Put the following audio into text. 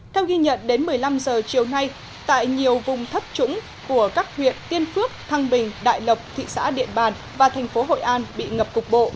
theo ghi nhận đến một mươi năm h chiều nay tại nhiều vùng thấp trũng của các huyện tiên phước thăng bình đại lộc thị xã điện bàn và thành phố hội an bị ngập cục bộ